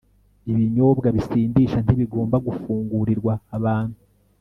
Ibinyobwa Bisindisha Ntibigomba Gufungurirwa Abantu